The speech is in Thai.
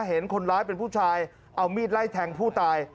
เห็นคนร้ายเป็นผู้ชายเอามีดไล่แทงผู้ตาย